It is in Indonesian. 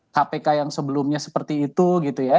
kpk yang sebelumnya seperti itu gitu ya